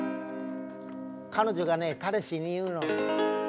彼女がね彼氏に言うの。